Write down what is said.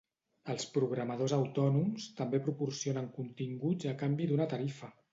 Els programadors autònoms també proporcionen continguts a canvi d'una tarifa.